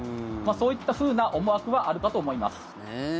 そういったふうな思惑はあるかと思います。